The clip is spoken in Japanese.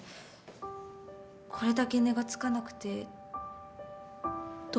これだけ値が付かなくてどうします？